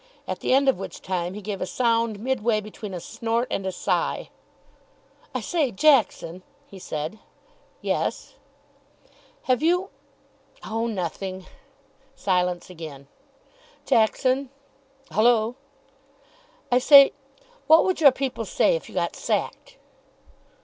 At the end of which time he gave a sound midway between a snort and a sigh. "I say, Jackson!" he said. "Yes?" "Have you oh, nothing." Silence again. "Jackson." "Hullo?" "I say, what would your people say if you got sacked?"